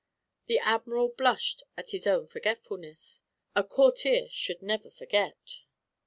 The Admiral blushed at his own forgetfulness; a courtier should never forget.